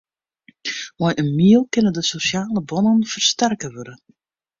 Mei in miel kinne de sosjale bannen fersterke wurde.